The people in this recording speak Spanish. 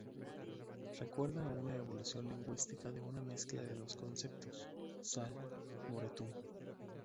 Recuerda a una evolución lingüística de una mezcla de dos conceptos: "sal"-"moretum".